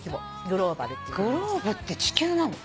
グローブって地球なの？